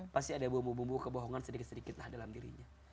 pasti ada bumbu bumbu kebohongan sedikit sedikit lah dalam dirinya